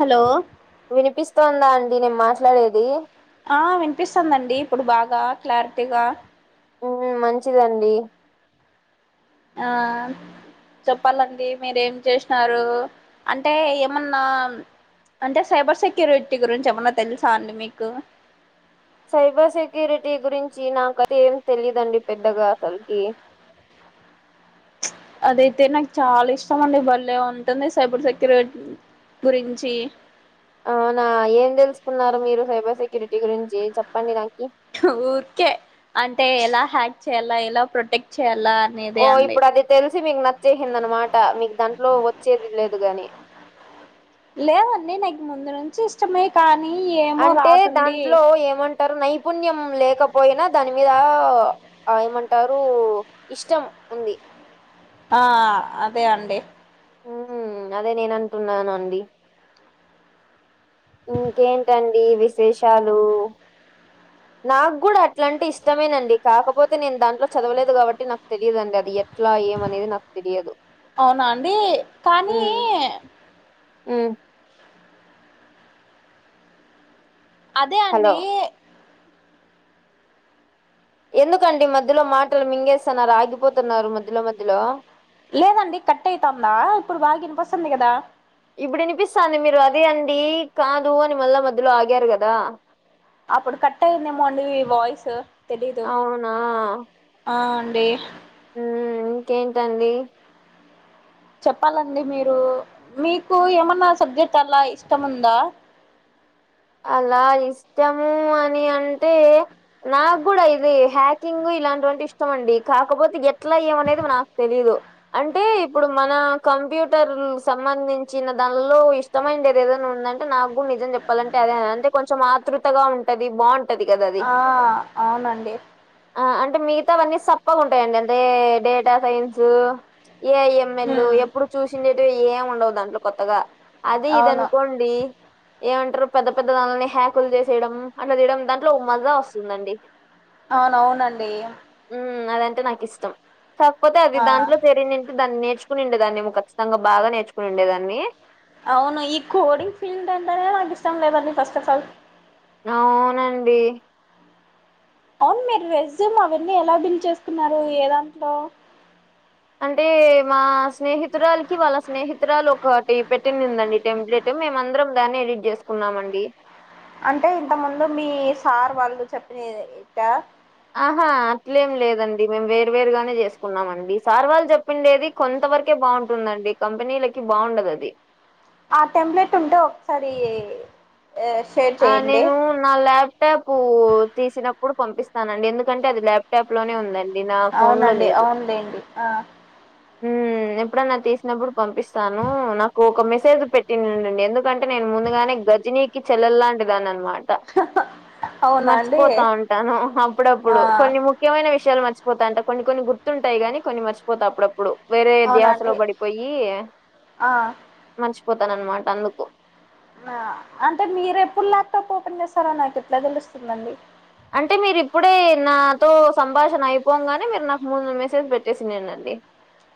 Hello వినిపిస్తోందా అండి నేను మాట్లాడేది ఆ వినిపిస్తుందిండి ఇప్పుడు బాగా క్లారిటీగా మ్ మంచిదండి ఆ చెప్పాలండి మీరూ ఏం చేసినారు అంటే ఏమన్నా అంటే సైబర్ సెక్యూరిటీ గురించి ఏమన్నా తెలుసా అండి మీకు సైబర్ సెక్యూరిటీ గురించి నాకతే ఏం తెలియదండి పెద్దగా అసలుకి అదైతే నాకు చాలా ఇష్టం అండి బలే ఉంటుంది సైబర్ సెక్యూరిట్ గురించి అవునా ఏం తెలుసుకున్నారు మీరు సైబర్ సెక్యూరిటీ గురించి చెప్పండి నాకి ఊరికే అంటే ఎలా హ్యాక్ చేయాల్లా ఎలా ప్రొటెక్ట్ చేయాల్లా ఓ ఇప్పుడు అది తెలిసి మీకు నచ్చేసింది అనమాట మీకు దాంట్లో వచ్చేది లేదు గాని లేదండి నాకు ముందు నుంచి ఇష్టమే కానీ ఏమో రాతుండి టరు నైపుణ్యం లేకపోయినా దాని మీద ఆ ఏమంటారు ఇష్టం ఉంది ఆ అదే అండి ఉహుమ్ అదే నేనంటున్నాను అండి ఇంకేంటండి విశేషాలు నాకు కూడా అట్లాంటే ఇష్టమేనండి కాకపోతే నేను దాంట్లో చదవలేదు కాబట్టి నాకు తెలియదండి అది ఎ ట్లా ఏమనేది నాకు తెలియదు అవునా అండి కానీ ఉమ్, ఉమ్ అదే హలో అండీ ఎందుకండి మధ్యలో మాటలు మింగేసన్నారు ఆగిపోతున్నారు మధ్యలో మధ్యలో లేదండి కట్ అయితాందా ఇప్పుడు బాగా ఇనిపిసంది కదా ఇప్పుడు ఇనిపిస్తాంది మీరు అది అండి కాదు అని మళ్ళా మధ్యలో ఆగారు కదా అప్పుడు కట్ అయిందేమో అండి వాయిస్ తెలీదు అవునా ఆ అండి ఉమ్ ఇంకేంటండి చెప్పాలండి మీరు మీకు ఏమన్నా సబ్జెక్ట్ అట్లా ఇష్టం ఉందా అలా ఇస్టము అని అంటే నాగూడా ఇది హ్యాకింగ్ ఇలాంటివంటే ఇష్టం అండి కాకపోతే ఎట్లా ఏం అనేది నాకు తెలీదు అంటే ఇప్పుడు మన కంప్యూటర్ సంబంధించిన దానిలో ఇష్ ష్టమైంది ఏదేదైనా ఉందంటే నాకు కూడా నిజం చెప్పాలంటే అదే అంటే కొంచెం ఆతృతగా ఉంటది బావుం ఆ అవునండి ఆ అంటే మిగతా వన్నీ సప్పగుంటాయంండి అంటే డేటా సైన్సు ఏఐఎంఎల్ ఉమ్ ఎప్పుడు చూసిండేటు ఏం ఉండవు దాంట్లో కొత్తగా అదే ఇది అవును అనుకోండి ఏమంటరు పెద్ద పెద్ద [unintelligible] హ్యాకులు చేసేయడం అట్లా చేయడం దాంట్లో ఒక మజా వస్తుందండి అవునవునండి ఉమ్ అదంటే నాకు ఇష్టం కాకపోతే అది ఆ దాంట్లో చేరి నెన్ దాన్ని నేర్చుకునిండే దాన్నేమో కచ్చితంగా బాగా నేర్చుకుని ఉండే దాన్ని అవును ఈ కోడింగ్ ఫీల్డ్ అంటేనేే నాకు ఇష్టం లేదండీ ఫస్ట్ ఆఫ్ ఆల్ అవునండి అవును మీరు రెజ్యుమ్ అవన్నీ ఎలా బిల్డ్ చేసుకున్నారు ఏ దాంట్లో అంటే మా స్నేహితురాలకి వాళ్ళ స్నేహితురాలు ఒక టి పెట్టింది ఉందండి టెంప్లెట్ [unintelligible] మేమ అందరం దాన్నే ఎడిట్ చేసుకున్నామండి అంటే ఇంత ముందు మీ సార్ వాళ్ళు చెప్పిని [unintelligible] ఆహా అట్లేం లేదండి మేము వేరు వేరుగానే చేసుకున్నామండి సార్ వాళ్ళు చెప్పిండేది కొంత వరకే బావుంటుందండి కంపెనీలకి బావుండదు అది ఆ టెంప్లేట్ ఉంటే ఒకసారి ఇ షేర్ ఆ చేయండి నేను నా ల్యాప్టాప్ తీసినప్పుడు పంపిస్తానండి ఎందుకంటే అది ల్యాప్టాప్ లోనే ఉందండి అది నా ఫోన్ లో అవునండి లేదు అవునులేండి ఆ ఉ ఎప్పుడన్నా తీసినప్పుడు పంపిస్తాను నాకు ఒక మెసేజ్ పెట్టిండండి ఎందుకంటే నేను ముందుగానే గజనీకి చెల్లెల్లాంటిదని అనమాట అవునా అండి మర్చిపోతా ఉంటాను ఆ అప్పుడప్పుడు కొన్ని ము ముఖ్యమైన విషయాలు మర్చిపోతాంట కొన్ని కొన్ని గుర్తుంటాయి కానీ కొన్ని మర్చిపోతా అప్పుడప్పుడు వేరే ధ్యాసలో అవునండి పడిపోయి ఆ మర్చిపోతాననమాట అందుకు అంటే మీరు ఎప్పుడు ల్యాప్టాప్ ఓపెన్ చేస్తారో నాకు ఎట్లా తెలుస్తుందండి అంటే మీరు ఇప్పుడే నాతో సంభాషణ అయిపోంగానే మీరు నాకు మూందు మెసేజ్ పెట్టేసిండండి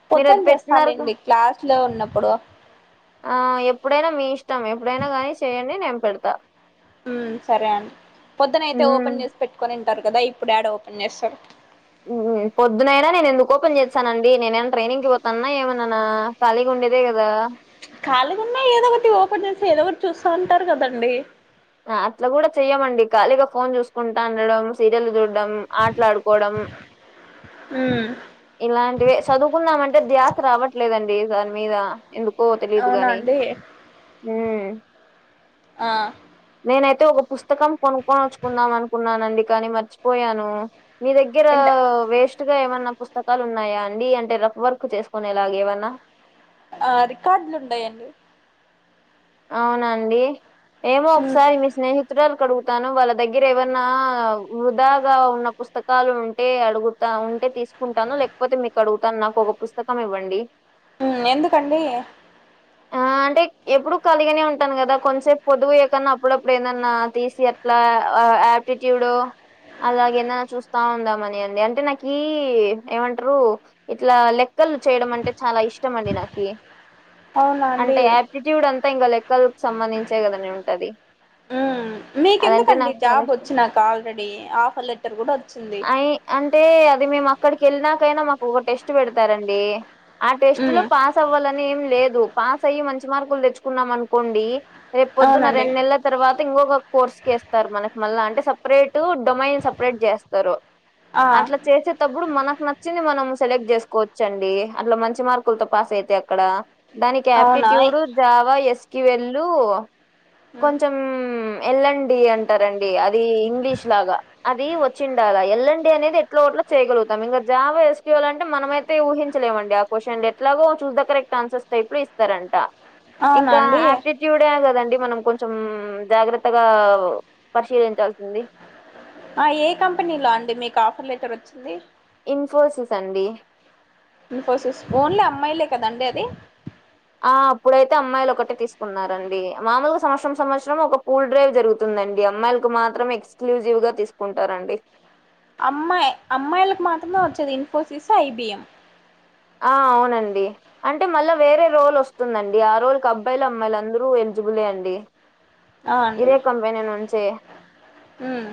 పొద్దున చేస్తాలేండి క్లాస్ లో ఉన్నప్పుడు ఆ ఎప్పుడైనా మీ ఇష్టం ఎప్పుడైనా కానీ చేయండి నేను పెడతా ఉ సరే అండి పొద్దున అయితే హ్మ్ ఓపెన్ చేసి పెట్టుకొనింటారు కదా ఇప్పుడు యాడ ఓపెన్ చేస్తారు పొద్దునైనా నేను ఎందుకు ఓపెన్ చేస్తానండి నేన ఏమన్నా ట్రైనింగ్ కి పోతానన్నా ఏమన్నానా కాలీగా ఉండేదే కదా కాలీగా ఉన్నా ఏదో ఒకటి ఓపెన్ చేసి ఏదో ఒకటి చూస్తా ఉంటారు కదండి అట్లా కూడా చెయ్యమండి కాలీగ ఫోన్ చూసుకుంటా ఉండడం సీరియల్ చూడడం ఆటలాడుకోవడం ఉ ఇలాంటివి చదువుకుందామంటే ధ్యాస రావట్లేదండి దాని మీద ఎందుకో అవునా తెలిదుగాని అండి హ ఆ నేనైతే ఒక పుస్తకం కొనుక్కొనచ్చుకుందాం అనుకున్నానండి కానీ మర్చిపోయాను మీ దగ్గర ఎంత వేస్ట్ గా ఏమన్నా పుస్తకాలు పుస్తకాలు ఉన్నాయా అండి అంటే రఫ్ వర్క్ చేసుకునేలాగ ఏవన్నా ఆ రికార్డులు ఉండయి అండి అవునండి ఏమో మ్మ్ ఒకసారి మీ స్నేహితురాలు కు అడుగుతాను వాళ్ళ దగ్గర ఏమన్నా వృధాగా ఉన్న పుస్తకాలు ఉంటే అడుగుతా ఉంటే తీసుకు తీసుకుంటాను లేకపోతే మీకు అడుగుతాను నాకు ఒక పుస్తకం ఇవ్వండి ఎందుకండి ఆ అంటే ఎప్పుడు కాలిగనే ఉంటాను కదా కొంసేపు పొద్దు పోయే కన్నా అప్పుడప్పుడు ఏదన్నా తీసి అట్లా యాప్ అప్టిట్యూడ్డో అలాగేన్ననా చూస్తా ఉందామ అని అండి అంటే నాకు ఏమంటారు ఇట్లా లెక్కలు చేయడం అంటే చాలా ఇష్టం అండి నాకి అవునా అండి అంటే యాప్టిట్యూడ్ అంతా ఇంకా లెక్కలకి సంబంధించే కదండి ఉంటది మ్మ్ అదంటే మీకెందుకండి నాకు చాలా జాబ్ ఇష్టం వచ్చినాక ఆల్రెడీ ఆఫర్ లెటర్ కూడా వచ్చింది అయి అంటే అది మేము అక్కడికి వెళ్ళినాకైనా మాకు ఒక టెస్ట్ పెడతారండి ఆ టెస్ట్ లో మ్మ్ పాస్ అవ్వాలని ఏం లేదు పాస్ అయి మంచి మార్కులు తెచ్చుకున్నాం అనుకోండి రేపు పొద్దున్న అవునండి రెండు నెలల తర్వాత ఇంకొక కోర్స్కిేస్తారు మనకి మళ్ళా అంటే సపరేట్ డొమైన్ సపరేట్ చేస్తారు ఆ అట్లా చేసేటప్పుడు మనకు నచ్చింది మనం సెలెక్ట్ చేసుకోవచ్చండి అట్లా మంచి మార్కులతో పాస్ అయితే అక్కడ దానికి అవునా aptitude Java S Q L హ్మ్ కొంచెం ఎల్ అండ్ డి అంటారండి అది ఇంగ్లీష్ లాగా అది వచ్చిండాల ఎల్ అండ్ డి అనేది ఎట్లో గట్ల చేయగలుగుతాం ఇంకా జావ ఎస్క్యూఎల్ అంటే మనమైయితే ఊహించలేమండి క్వశ్చన్లు ఎట్లాగో చూస్ దా కరెక్ట్ ఆన్సర్స్ టైపు లో ఇస్తారంటా అవునా ఇంకా అండి ఆయాప్టిట్యూడే కదండి మనం కొంచం జాగ్రత్తగా పరిశీలించాల్సింది ఆ ఏ కంపెనీలో అండి మీకు ఆఫర్ లెటర్ వచ్చింది ఇంన్ఫోసిస్ అండి ఇన్ఫోసస్ ఓన్లీ అమ్మాయిలే కదండి అది ఆ అప్పుడైతే అమ్మాయిలు ఒకటే తీసుకున్నారండి మామూలుగా సంవత్సరం సంవత్సరం ఒక పూల్ డ్రైవ్ జరుగు ందండి అమ్మాయిలకు మాత్రమే ఎక్స్క్లూజివ్ గా తీసుకుంటారండి అమ్మాయి అమ్మాయిలకు మాత్రమే వచ్చది ఇన్ఫోసిస్ ఐబిఎం ఆ అవునండి అంటే మళ్ళా వేరే రోల్ వస్తుందండి ఆ రోల్ క్ అబ్బాయిలు అమ్మాయిలు అందరూ ఎలిజిబులే అండి ఆ అండి ఇదే కంపెనీ నుంచి మ్మ్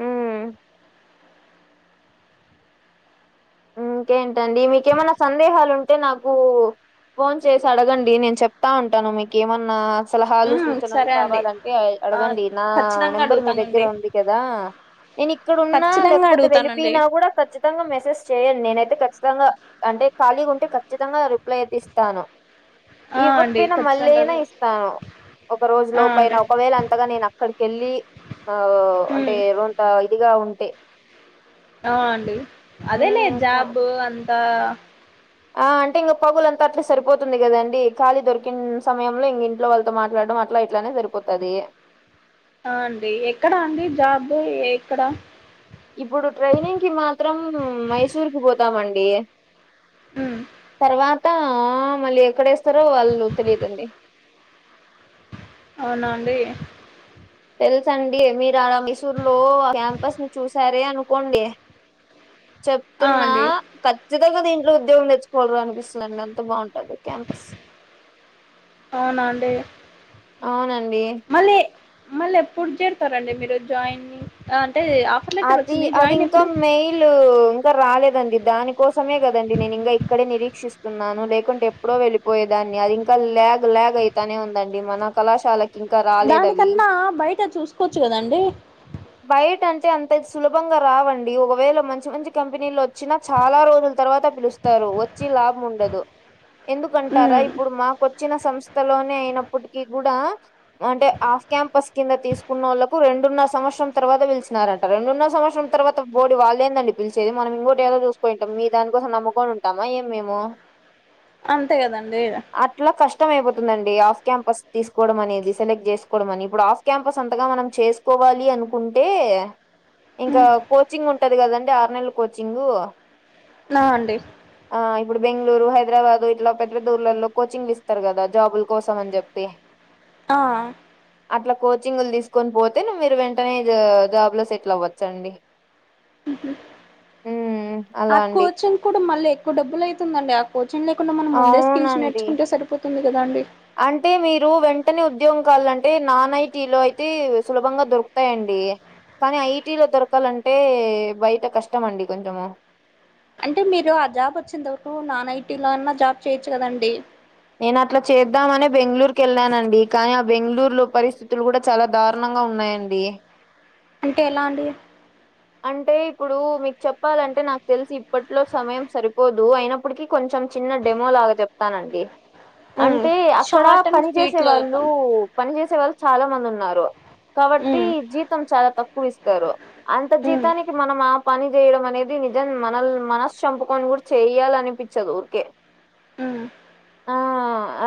మ్ ఇంకేంటండి మీకేమన్నా సందేహాలు ఉంటే నాకు ఫోన్ చేసి అడగండి నేను చెప్తా ఉంటాను మీకు ఏమైనా సలహాలు మ్మ్ సూచనలు సరే అండి కావాలంటే ఆ అడగండి నా ఖచ్చితంగా నెంబర్ మీ దగ్గర అడుగుతానండి ఉంది కదా నేను ఇక్కడ ఉన్న ఖచ్చితంగా లేకపోతే అడుగుతానండి వెళ్ళపోయినా కూడా ఖచ్చితంగా మెసేజ్ చెయండి నేనైతే ఖచ్చితంగా అంటే ఖాళీగుంటే ఖచ్చితంగా రిప్లై అయితే ఇస్తాను ఆ అండి ఇవ్వకపోయినా మళ్ళి అయినా ఖచ్చితంగా ఇస్తాను ఒక రోజు ఆ లో పైన అండి ఒకవేళ అంతగా నేను అక్కడికిెళ్ళి ఆ అంటే ఉమ్ అంత ఇదిగా ఉంటే అ అండి అదే లే హ్మ్ జాబు అంతా ఆ అంటే ఇంగ పగులంతా అట్లా సరిపోతుంది కదా అండి ఖాళీ దొరికిన సమయంలో ఇంగ ఇంట్లో వాళ్లతో మాట్లాడం అ ట్ల ఇట్లనే సరిపోతది ఆ అండి ఎక్కడా అండి జాబ్ ఎక్కడ ఇప్పుడు ట్రైనింగ్ కి మాత్రం మైసూర్ కి పోతామండి ఉమ్ తర్వాత మళ్ళీ ఎక్కడేస్తారో వాళ్ళు తెలియదండి అవునా అండి తెలుసండి మీరు ఆడ మైసూరు లో క్యాంపస్ ని చూసారే అనుకోండి ఆ చెప్తున్నా అండి ఖచ్చితంగా దీంట్లో ఉద్యోగం తెచ్చుకోవాలీర అనిపిస్తుంది అంత బాగుంటది క్యాంపస్ అవునా అండి అవునండి మళ్ళీ మళ్ళీ ఎప్పుడు చేరుతారండి మీరు జాయిన్ అంటే అప్ అది అది ఇంకా మెయి ట్లూ ఇంకా రాలేదండి దానికోసమే కదండి నేను ఇంకా ఇక్కడే నిరీక్షిస్ స్తున్నాను లేకుంటే ఎప్పుడో వెళ్ళిపోయేదాన్ని అది ఇంకా ల్యాగ్ ల్యాగ్ అయితానే ఉందండి మన కళాశాల దానికన్నా బయట చూసుకోవచ్చు కదండి బైటం టే అంత సులభంగా రావండి ఒకవేళ మంచి మంచి కంపెనీలు వచ్చినా చాలా రోజుల తర్వాత పిలుస్ ారు వచ్చి లాభం ఉండదు ఎందుకంటారా ఉమ్ ఇప్పుడు మాకు వచ్చిన సంస్ స్తలోనే అయినప్పటికీ కూడా అంటే ఆఫ్ క్యాంపస్ కింద తీసుకున్న వాళ్ళకు రెండున్నరవత్సం తవాత పిల్ నారంట రెండున్నర సంవత్సరం తర్వాత బోడీ వాళ్ళదేండి పిలిచేది మనం ఇంకోటి ఏదో చూసుకుంటాం మీ దానీ కోసం నమ్మకోనుం టమ ఏ మీము అంతే కదండి అట్లా కష్టం అయిపోతుందండి ఆఫ్ క్యాంపస్ తీసుకోవడం అనేది సెలెక్ట్ చేసుకోవడం అని ఇప్పుడు ఆఫ్ క్యాంపస్ అంతగా మనం చేస్ కోవాలి అనుకుంటే ఇంకా ఉమ్, కోచింగ్ ఉంటది కదండి ఆరు నెలల కోచింగ్ న అండి ఆ ఇప్పుడు బెంగళూరు హైదరాబాదు ఇట్లా పెద్ద పెద్ద ఊర్లలో కోచింగ్ ఇస్తారు కదా జాబులు కోసం అని చెప్పి. [inaudible] ఆ అట్లా కోచింగ్లు తీసుకొని పోతే మీరు వెంటనే జాబ్లో సెట్ల వచ్చండి ఆ కోచింగ్ కూడా మళ్ళీ ఎక్కువ డబ్బులు అయితుందండి ఆ కోచింగ్ లేకుండా మనం ముందే స్కిల్స్ అవునండి నేర్చుకుంటే సరిపోతు తుంది కదా అండి అంటే మీరు వెంటనే ఉద్యోగం కావాలంటే నాన్ ఐటీ లో అయితే సులభంగా దొరుకుతాయండి కాని ఐటీ లో దొరకాలంటే బయట కష్టం అండి కొంచెము. అంటే మీరు ఆ జాబ్ వచ్చేంత వరకు నాన్ ఐటీలో అన్నా జాబ్ చేయొచ్చు కదండి నేను అట్లా చేద్దామనే బెంగళూరు కెళ్ళాన అండి కానీ ఆ బెంగళూరు లో పరిస్థితులు కూడా చాలా దారుణంగా ఉన్నాయండి. అంటే ఎలా అండి అంటే ఇప్పుడు మీకు చెప్పాలంటే నాకు తెలిసి ఇప్పట్లో సమయం సరిపోదు అయినప్పటికీ. కొంచెం చిన్న డెమో లాగా చెప్తానండి ఉమ్ అంటే అక్కడ షార్ట్ అండ్ పని స్వీట్ చేసే లో వాళ్ళు. చెప్పండి పని చేేసే వాళ్ళు చాలా మంది ఉన్నారు కాబట్టి మ్మ్ జీతం చాలా తక్కువ ఇస్తారు ప్రతి మ్మ్ దానికి మనం ఆ పని చేయడం అనేది నిజాం మనల్ని మనస్ చంపకొని కూడా చేయాలనిపి. ఊర్కే. మ్ ఆ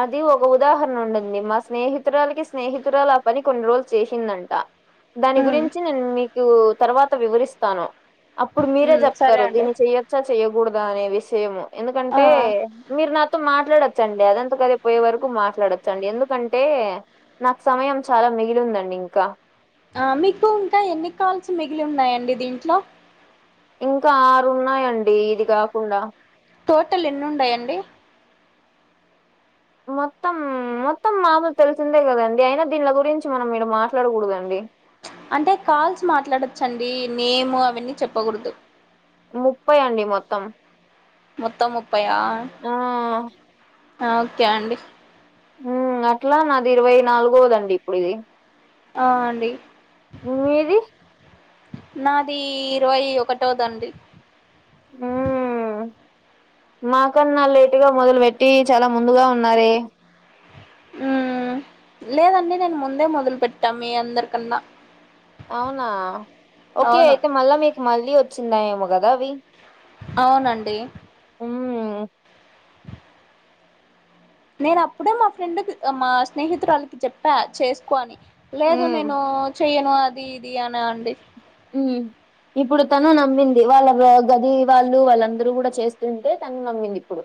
అది ఒక ఉదాహరణ ఉండింది మా స్నేహితురాలకి స్నేహితురాలు పని కొన్ని రోజులు చేసిందంట దాని మ్మ్ గురించి నేను మీకు తర్వాత వివరిస్తాను అప్పుడు మీరే మ్మ్ సరే చెప్తారు అండి దీన్ని చెయొచ్చా చెయకూడదా అనే విషయము ఆ ఎందుకంటే మీరు నాకు మాట్లాడొచ్చండి అదంత కదె పోయే వరకు మాట్లాడొచ్చండి ఎందుకంటే. నాకు సమయం చాలా మిగిలి ఉందండి ఇంకా ఆ మీకు ఇంకా ఎన్ని కాల్స్ మిగిలి ఉన్నాయండి దీంట్లో ఇంకా ఆరు ఉన్నాయండి ఇది కాకుండా. టోటల్ ఎన్ని ఉన్నాయండి. మొత్తం మొత్తం మామూలు తెలిసిందే కదండి అయినా దీనిల గురించి మనం ఈడ మాట్లాడకూడదండి అంటే కాల్స్ మాట్లాడచ్చండి నేము అవన్నీ చెప్పకూడదు. ముప్పై అండి మొత్తం మొత్తం ముప్పయా ఆ ఓకే అండి ఉమ్ అట్లా నాది ఇరవై నాలుగోదండి ఇప్పుడు ఇది ఆ అండి మీది నాది ఇరవై ఒకటోదండి మ్ మాక్కన్నా లేటుగా మొదలు పెట్టి చాలా ముందుగా ఉన్నారే ఉమ్ లేదండి నేను ముందే మొదలు పెట్టా మీ అందరికన్నా అవునా ఓకే అవును అయితే మల్ల మీకు మళ్లీ వచ్చిందేమో కదా అవి అవునండి మ్మ్ నేను అప్పుడే మా ఫ్రెండ్ కి మా స్నేహితురాలి కి చెప్పా చేసుకో అని లేదు మ్మ్ నేను చెయ్యను అది ఇది అని అండి మ్ ఇప్పుడు తను నమ్మింది వాళ్ళ గది వాళ్ళు వాళ్ళందరూ కూడా చేస్తుంటే తను నమ్మింది ఇప్పుడు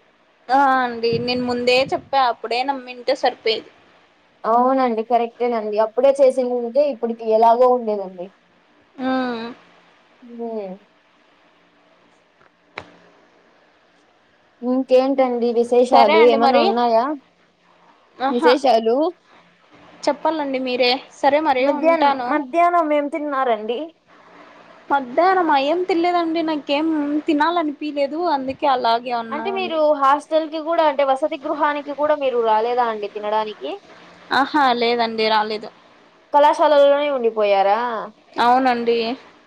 ఆ అండి నేను ముందే చెప్పా అప్పుడే నమ్మింటే సరిపోయది. అవునండి కరెక్టేనండి అప్పుడే చేసిందింటే ఇప్పటికి ఎలాగో ఉండేదండి ఉమ్ ఊ ఇంకేంటండి సరే విశేషాలు అండి ఏమన్నా మరి ఉన్నాయా ఆహా విసెశాలు చెప్పాలండి మీరే సరే మరి మధ్యాహ్నం ఉంటాను మధ్యాహ్నం ఏం తిన్నారండి మధ్యాహ్నం మా ఏం తినలేదండి నాకేం తినాలనిపిలేదు అందుకే అలాగ అంటే మీరు హాస్టల్ కి కూడా అంటే వసతి గృహానికి కూడా మీరు రాలేదా అండి తినడానికి. ఆహా లేదండి రాలేదు. కళాశాలలోనే ఉండిపోయారా అవునండి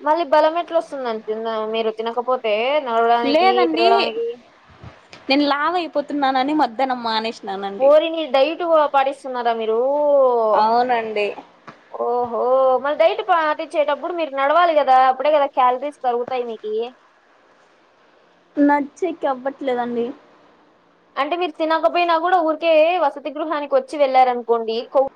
మళ్ళీ బలం ఎట్ల వస్తుందండి తిన మీరు తినకపోతే నడడానికి లేదండి తిరగడానికి నేను లావయిపోతున్నానని మధ్యానం మానేసిన ఓరిని డయిట్ పాటిస్తున్నారా మీరు అవునండి ఓహో మరి డైట్ పాటిచ్చేటప్పుడు మీరు నడవాలి కదా అప్పుడే కదా క్యాలరీస్ కరుగుతాయి మీకి నడ్చ్చేకి అవ్వట్లేదండి అంటే మీరు తినకపోయినా కూడా ఊరికే వసతి గృహానికి వచ్చి వెళ్ళారనుకోండి కోవు